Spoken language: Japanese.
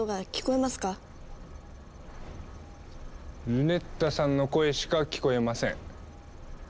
ルネッタさんの声しか聞こえません。